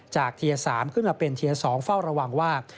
เทียร์๓ขึ้นมาเป็นเทียร์๒เฝ้าระวังว่า